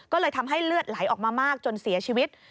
ก็เลยทำให้เลือดไหลออกมามากจนเสียชีวิต